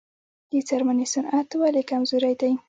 د څرمنې صنعت ولې کمزوری دی؟